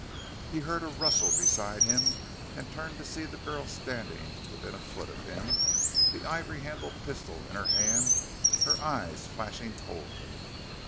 He heard a rustle beside him, and turned to see the girl standing within a foot of him, the ivory handled pistol in hand, her eyes flashing coldly.